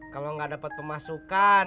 kalau nggak dapat pemasukan